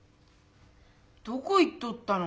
どこ行っとったの？